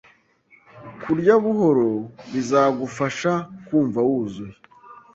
Kurya buhoro bizagufasha kumva wuzuye.